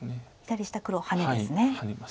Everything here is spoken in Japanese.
左下黒ハネですね。